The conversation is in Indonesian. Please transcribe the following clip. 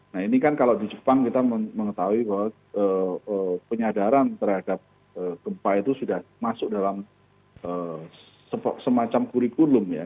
nah ini kan kalau di jepang kita mengetahui bahwa penyadaran terhadap gempa itu sudah masuk dalam semacam kurikulum ya